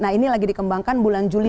nah ini lagi dikembangkan bulan juli